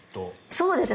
そうですね。